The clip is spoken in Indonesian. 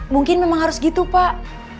mungkin memang harus gitu pak